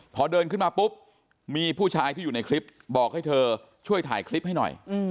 พอเดินขึ้นมาปุ๊บมีผู้ชายที่อยู่ในคลิปบอกให้เธอช่วยถ่ายคลิปให้หน่อย